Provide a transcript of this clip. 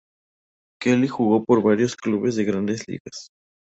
Kelly jugó por varios clubes de Grandes Ligas.